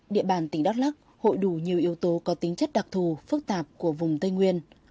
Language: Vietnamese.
địa bàn tỉnh đắk lắc hội đủ nhiều yếu tố có tính chất đặc thù phức tạp của vùng tây nguyên